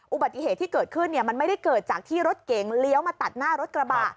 อุบัติเหตุที่เกิดขึ้นมันไม่ได้เกิดจากที่รถเก๋งเลี้ยวมาตัดหน้ารถกระบะ